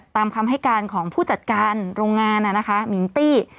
ตามคำให้การของผู้จัดการโรงงานมิงตี้